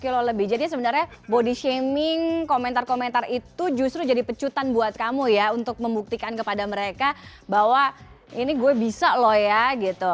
tujuh kilo lebih jadi sebenarnya body shaming komentar komentar itu justru jadi pecutan buat kamu ya untuk membuktikan kepada mereka bahwa ini gue bisa loh ya gitu